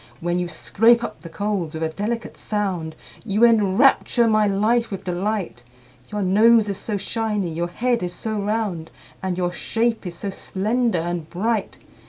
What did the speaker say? When you scrape up the coals with a delicate sound, You enrapture my life with delight, Your nose is so shiny, your head is so round, And your shape is so slender and bright!